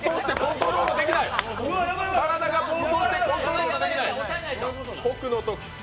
体が暴走してコントロールできない。